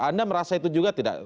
anda merasa itu juga tidak